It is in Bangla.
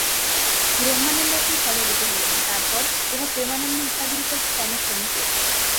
ব্রহ্মানন্দ এখন সভাপতি হলেন, তারপর উহা প্রেমানন্দ ইত্যাদির উপর ক্রমে ক্রমে পড়বে।